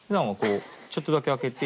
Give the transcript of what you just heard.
ちょっとだけ開けて